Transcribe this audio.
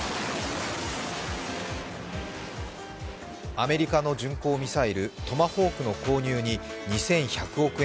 アメリカの巡航ミサイル・トマホークの購入に２１００億円